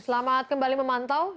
selamat kembali memantau